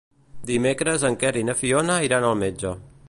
Dimecres en Quer i na Fiona iran al metge.